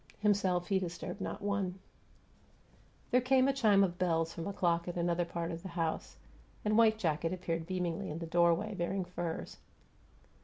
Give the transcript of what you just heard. Himself, he disturbed not one. There came a chime of bells from a clock in another part of the house, and white jacket appeared beamingly in the doorway, bearing furs.